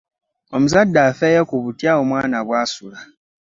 Omuzadde afeeyo ku butya omwana bw'asula.